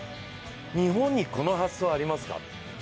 日本にこの発想ありますか。